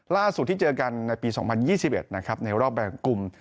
ล่าสุดที่เจอกันในปี๒๐๒๑นะครับในรอบแบ่งกลุ่ม